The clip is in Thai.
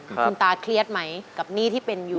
คุณตาเครียดไหมกับหนี้ที่เป็นอยู่